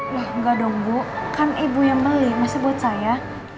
loh enggak dong bu kan ibu yang beli masih buat saya